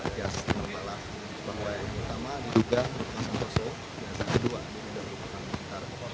dan yang kedua ini adalah rupakan tarko